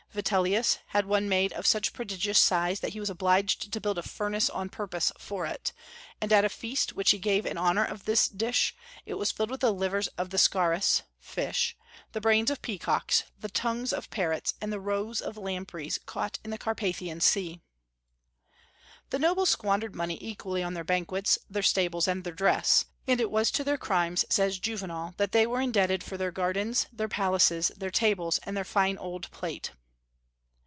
Vitellius had one made of such prodigious size that he was obliged to build a furnace on purpose for it; and at a feast which he gave in honor of this dish, it was filled with the livers of the scarrus (fish), the brains of peacocks, the tongues of parrots, and the roes of lampreys caught in the Carpathian Sea. The nobles squandered money equally on their banquets, their stables, and their dress; and it was to their crimes, says Juvenal, that they were indebted for their gardens, their palaces, their tables, and their fine old plate.